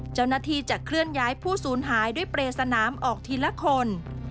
เจ้าหน้าที่จะเคลื่อนย้ายผู้สูญหายด้วยเปรสนามออกทีละคน